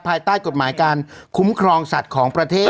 ภายใต้กฎหมายการคุ้มครองสัตว์ของประเทศ